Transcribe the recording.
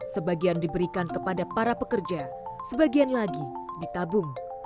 sebagian diberikan kepada para pekerja sebagian lagi ditabung